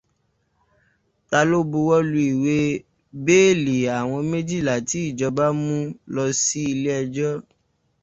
Ta ló buwọ́lu ìwé béèlì àwọn méjìlá tí ìjọba mú lọ sí ilé ẹjọ́